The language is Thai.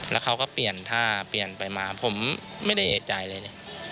แล้วเขาก็เปลี่ยนท่าเปลี่ยนไปมาผมไม่ได้เอกใจอะไรเลย